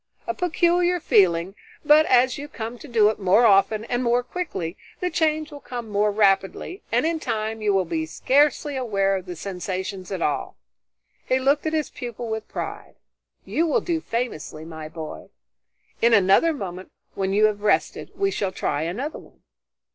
A peculiar feeling, but as you come to do it more often and more quickly, the change will come more rapidly and in time you will be scarcely aware of the sensations at all." He looked at his pupil with pride. "You will do famously, my boy. In another moment, when you have rested, we shall try another one."